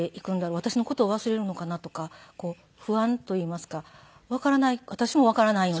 私の事を忘れるのかな？とか不安といいますか私もわからないので。